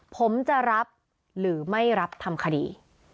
ผมจะรับหรือไม่รับทำคดี